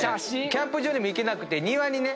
キャンプ場にも行けなくて庭にね。